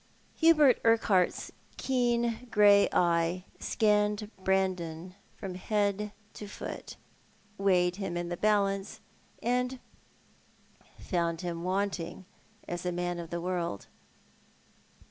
Hubert Urquhart's keen grey eye scanned Brandon from head to foot, weighed him in the balance, and found him wanting — as a man of the world.